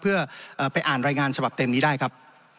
เพื่อไปอ่านรายงานฉบับเต็มนี้ได้ครับ